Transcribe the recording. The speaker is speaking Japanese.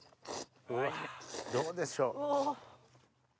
どうでしょう？